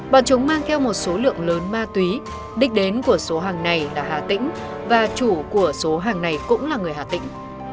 bọn chúng mang theo một số lượng lớn ma túy đích đến của số hàng này là hà tĩnh và chủ của số hàng này cũng là người hà tĩnh